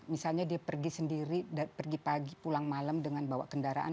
misalnya dia pergi sendiri pergi pagi pulang malam dengan bawa kendaraan